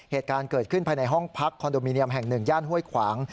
เหตุการณ์เกิดขึ้นภายในห้องพักคอนโดมิเนียมแห่งหนึ่งย่านห้วยขวาง